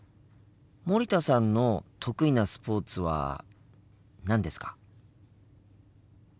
森田さんの得意なスポーツは何ですか？